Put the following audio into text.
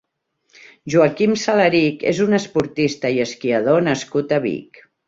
Joaquim Salarich és un esportista i esquiador nascut a Vic.